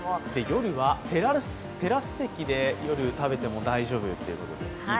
夜はテラス席で食べても大丈夫ということで、いいですね。